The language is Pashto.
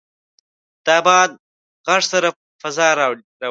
د باد غږ سړه فضا راولي.